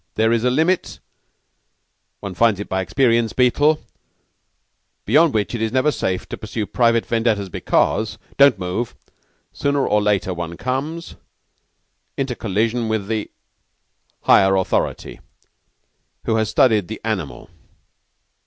There is a limit one finds it by experience, Beetle beyond which it is never safe to pursue private vendettas, because don't move sooner or later one comes into collision with the higher authority, who has studied the animal.